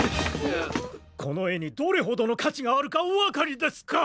このえにどれほどのかちがあるかおわかりですか？